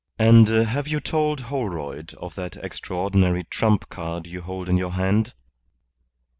"And have you told Holroyd of that extraordinary trump card you hold in your hand?"